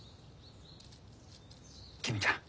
公ちゃん。